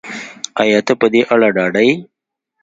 ایا ته په دې اړه ډاډه یې